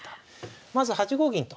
まず８五銀と。